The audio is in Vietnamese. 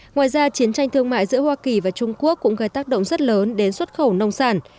ngoài ra chiến tranh thương mại giữa hoa kỳ và trung quốc cũng gây tác động rất lớn đến xuất khẩu nông sản